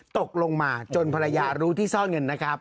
ตกลงมาจนภรรยารู้ที่ซ่อนเงินนะครับ